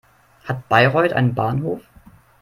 Hat Bayreuth einen Bahnhof?